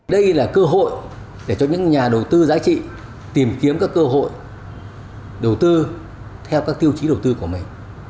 đây là cơ hội để cho những nhà đầu tư giá trị tìm kiếm các cơ hội đầu tư theo các tiêu chí đầu tư của mình